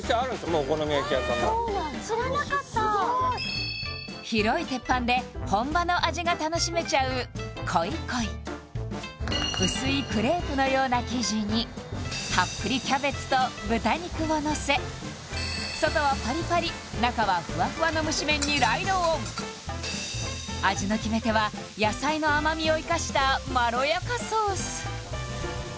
もうお好み焼き屋さんのええ知らなかった広い鉄板で本場の味が楽しめちゃう鯉々薄いクレープのような生地にたっぷりキャベツと豚肉をのせ外はパリパリ中はフワフワのむし麺にライドオン味の決め手は野菜の甘みを生かしたまろやかソース